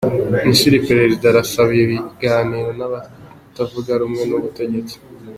Misiri: Perezida arasaba ibiganiro n’abatavuga rumwe n’ubutegetsi